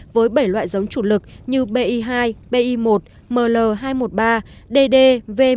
với bảy loại giống chủ lực như bi hai bi một ml hai trăm một mươi ba dd v một trăm linh tám